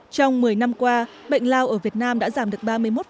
trong một mươi năm qua bệnh lao ở việt nam đã giảm được ba mươi một